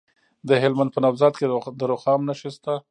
د هلمند په نوزاد کې د رخام نښې شته.